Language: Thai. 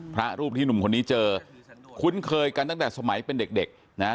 พระรูปที่หนุ่มคนนี้เจอคุ้นเคยกันตั้งแต่สมัยเป็นเด็กนะฮะ